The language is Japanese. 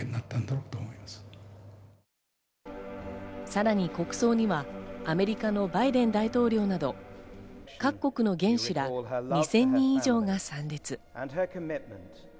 さらに国葬にはアメリカのバイデン大統領など、各国の元首ら、２０００人以上が参列。